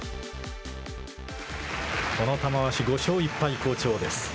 この玉鷲５勝１敗好調です。